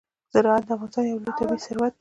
زراعت د افغانستان یو لوی طبعي ثروت دی.